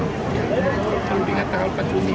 kalau diingat tanggal empat juni